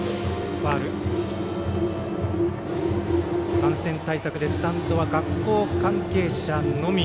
感染対策でスタンドは学校関係者のみ。